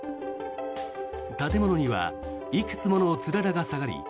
建物にはいくつものつららが下がり